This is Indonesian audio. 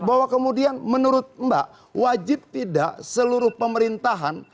bahwa kemudian menurut mbak wajib tidak seluruh pemerintahan